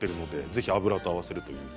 ぜひ油と合わせて。